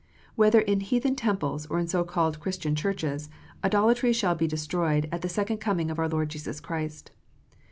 Whether in heathen temples, or in so called Christian churches, idolatry shall be destroyed at the second coming of our Lord Jesus Christ.